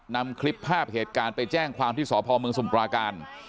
นำคลิปภาพเหตุการณ์ไปแจ้งความที่สพมสมุปราการ